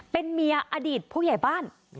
เป็นเมียอดีตผู้ใหญ่บ้าน